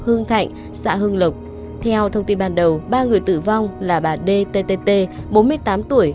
hương thạnh xã hương lục theo thông tin ban đầu ba người tử vong là bà đê tê tê tê bốn mươi tám tuổi